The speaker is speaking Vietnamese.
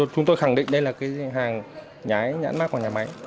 chúng tôi khẳng định đây là hàng nhãn mác của nhà máy